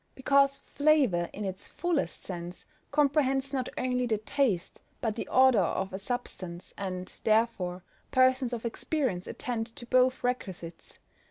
_ Because flavour, in its fullest sense, comprehends not only the taste, but the odour of a substance; and, therefore, persons of experience attend to both requisites.